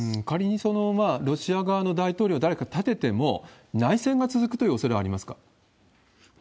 仮にロシア側の大統領を誰か立てても、内戦が続くというおそれはありますか？